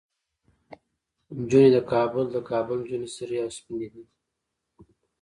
نجونه د کابل، د کابل نجونه سرې او سپينې دي